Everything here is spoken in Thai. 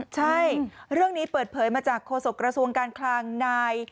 ใช่เรื่องนี้เปิดเผยมาจากโฆษกระทรวงการคลังนาย